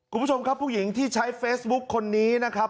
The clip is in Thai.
คุณผู้ชมครับผู้หญิงที่ใช้เฟซบุ๊คคนนี้นะครับ